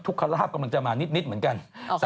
คาราภาพกำลังจะมานิดเหมือนกัน